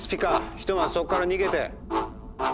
ひとまずそこから逃げて。